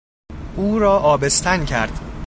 او را آبستن کرد.